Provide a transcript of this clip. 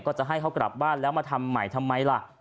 จะให้เขากลับบ้านแล้วมาทำใหม่ทำไมล่ะ